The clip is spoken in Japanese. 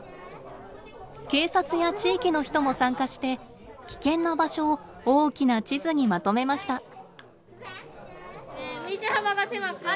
警察や地域の人も参加して危険な場所を大きな地図にまとめました。